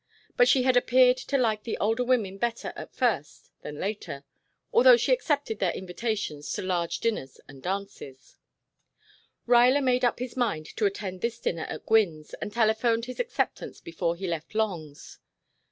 But she had appeared to like the older women better at first than later, although she accepted their invitations to large dinners and dances. [Footnote A: See "Ancestors."] Ruyler made up his mind to attend this dinner at Gwynne's, and telephoned his acceptance before he left Long's.